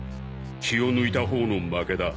気を抜いたほうの負けだ。